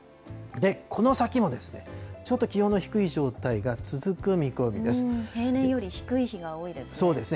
この先もちょっと気温の低い状態平年より低い日が多いですね。